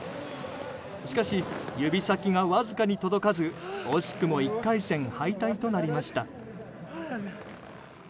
しかし、指先がわずかに届かず惜しくも１回戦敗退となりました。